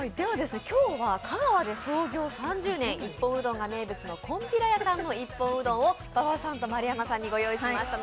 今日は香川で創業３０年、一本うどんが名物のこんぴらやさんの一本うどんを馬場さんと丸山さんにご用意しました。